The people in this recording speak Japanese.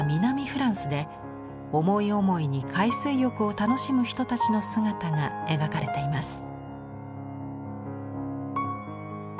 フランスで思い思いに海水浴を楽しむ人たちの姿が描かれています。